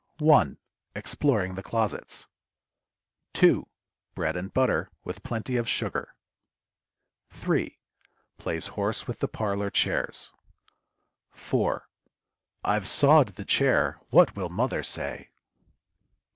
1. Exploring the closets. 2. Bread and butter, with plenty of sugar. 3. Plays horse with the parlor chairs. 4. "I've sawed the chair. What will mother say?"